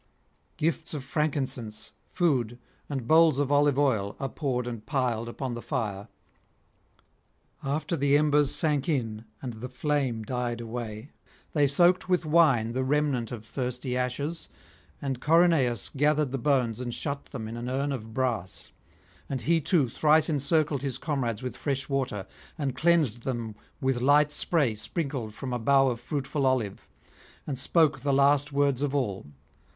Gifts of frankincense, food, and bowls of olive oil, are poured and piled upon the fire. After the embers sank in and the flame died away, they soaked with wine the remnant of thirsty ashes, and Corynaeus gathered the bones and shut them in an urn of brass; and he too thrice encircled his comrades with fresh water, and cleansed them with light spray sprinkled from a [231 267]bough of fruitful olive, and spoke the last words of all.